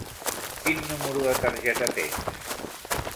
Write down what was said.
Quin número de targeta tens?